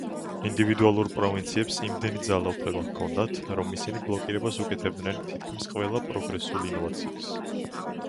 ინდივიდუალურ პროვინციებს იმდენი ძალაუფლება ჰქონდათ, რომ ისინი ბლოკირებას უკეთებდნენ თითქმის ყველა პროგრესულ ინოვაციას.